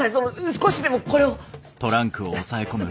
少しでもこれを。